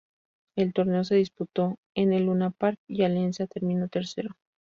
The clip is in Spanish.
El torneo se disputó en el Luna Park y Alianza terminó tercero.